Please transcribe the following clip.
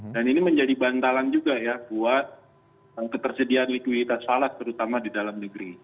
dan ini menjadi bantalan juga ya buat ketersediaan likuiditas salat terutama di dalam negeri